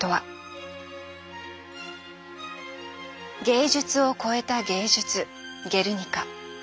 芸術を超えた芸術「ゲルニカ」。